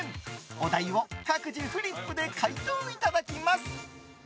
お題を各自フリップで回答いただきます。